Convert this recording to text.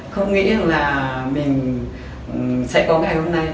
không nghĩ là mình sẽ có ngày hôm nay